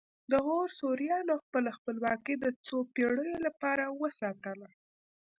د غور سوریانو خپله خپلواکي د څو پیړیو لپاره وساتله